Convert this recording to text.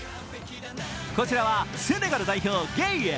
こちらはセネガル代表ゲイエ。